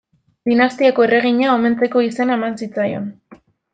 Dinastiako erregina omentzeko izena eman zitzaion.